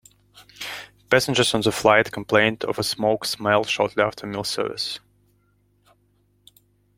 Passengers on the flight complained of a smoke smell shortly after meal service.